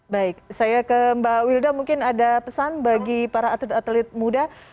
baik saya ke mbak wilda mungkin ada pesan bagi para atlet atlet muda